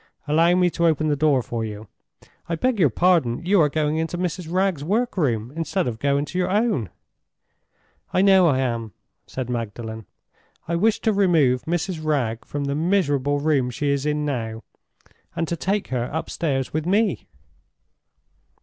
Allow me to open the door for you—I beg your pardon, you are going into Mrs. Wragge's work room instead of going to your own." "I know I am," said Magdalen. "I wish to remove Mrs. Wragge from the miserable room she is in now, and to take her upstairs with me."